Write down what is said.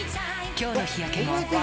「今日の日焼けも」